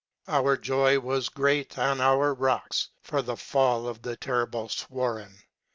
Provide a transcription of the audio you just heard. Our joy was great on our rocks, for the fall of the terrible Swaran.